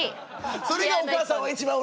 それがお母さんは一番うれしい。